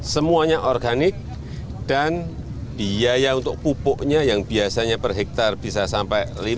semuanya organik dan biaya untuk pupuknya yang biasanya per hektare bisa sampai